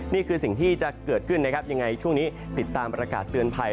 นี่คือสิ่งที่จะเกิดขึ้นนะครับยังไงช่วงนี้ติดตามประกาศเตือนภัย